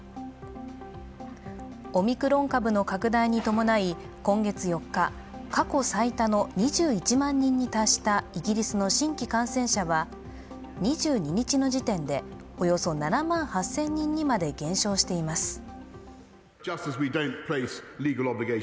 オミクロン株の拡大に伴い、今月４日、過去最多の２１万人に達したイギリスの新規感染者は２２日の時点でおよそ７万８０００人にまで減少しています。